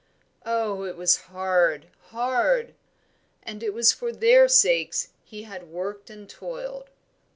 Oh, it was hard, hard and it was for their sakes he had worked and toiled.